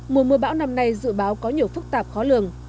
mùa mưa bão năm nay dự báo có nhiều phức tạp khó lường